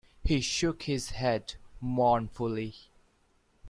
He shook his head mournfully.